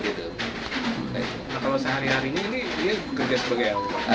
kalau sehari hari ini dia kerja sebagai apa